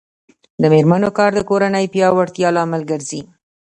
د میرمنو کار د کورنۍ پیاوړتیا لامل ګرځي.